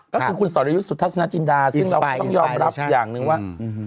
ก็คือคุณสรยุทธ์สุทัศนจินดาซึ่งเราต้องยอมรับอย่างหนึ่งว่า